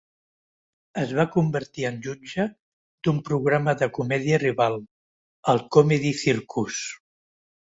Es va convertir en jutge d'un programa de comèdia rival, el "Comedy Circus".